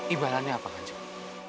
imbalannya apa kanjeng